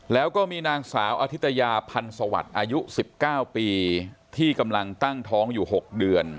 แล้วก็มีนางสาวอธิตยาพันธ์สวัสดิ์อายุ๑๙ปีที่กำลังตั้งท้องอยู่๖เดือน